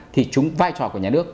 thì chúng vai trò của nhà nước